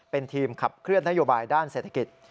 เป็นทีมขับเคลื่อนนโยบายด้านเศรษฐกิจ